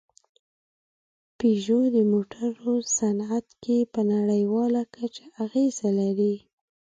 پيژو د موټرو صنعت کې په نړۍواله کچه اغېز لري.